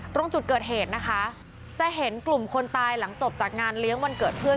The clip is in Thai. ตรงจุดเกิดเหตุนะคะจะเห็นกลุ่มคนตายหลังจบจากงานเลี้ยงวันเกิดเพื่อน